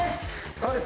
そうです